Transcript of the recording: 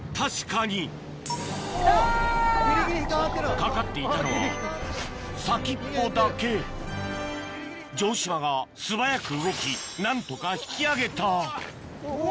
かかっていたのは先っぽだけ城島が素早く動き何とか引き上げたうわ！